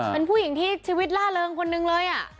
อย่างที่ชีวิตล่าเริงคนนึงเลย